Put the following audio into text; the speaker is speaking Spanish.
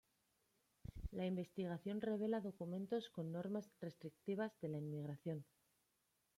La investigación revela documentos con normas restrictivas de la inmigración.